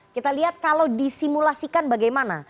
kita lihat kalau disimulasikan bagaimana